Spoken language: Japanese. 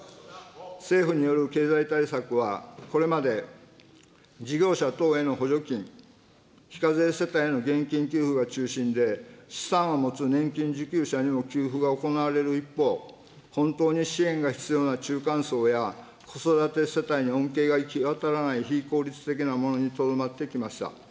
政府による経済対策は、これまで事業者等への補助金、非課税世帯への現金給付が中心で、資産を持つ年金受給者にも給付が行われる一方、本当に支援が必要な中間層や、子育て世帯に恩恵が行き渡らない非効率的なものにとどまってきました。